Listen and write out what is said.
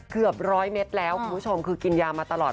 เกือบร้อยเมตรแล้วคุณผู้ชมคือกินยามาตลอด